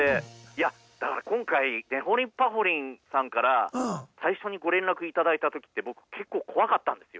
いやだから今回「ねほりんぱほりん」さんから最初にご連絡頂いた時って僕結構怖かったんですよ。